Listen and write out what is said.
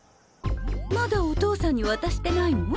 まだお父さんに渡してないの？